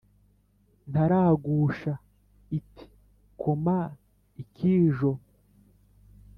ntaragusha iti : koma ikijo.